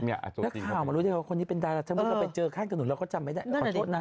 แล้วข่าวมันรู้ได้ว่าคนนี้เป็นดาราธรรมถ้าเจอข้างกับหนุ่มเราก็จำไม่ได้